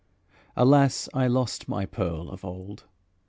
Alas! I lost my pearl of old!